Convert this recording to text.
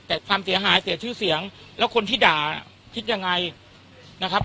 แต่ความเสียหายเสียชื่อเสียงแล้วคนที่ด่าคิดยังไงนะครับ